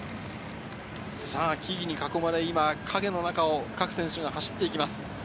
木々に囲まれ、影の中を選手たちが走っていきます。